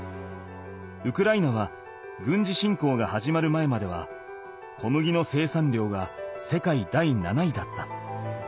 ウクライナは軍事侵攻が始まる前までは小麦の生産量が世界第７位だった。